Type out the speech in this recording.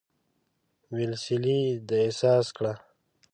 ویلسلي دا احساس کړه.